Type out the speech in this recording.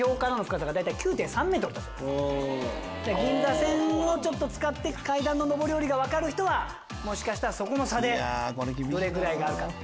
銀座線を使って階段の上り下りが分かる人はもしかしたらそこの差でどれぐらいあるかって。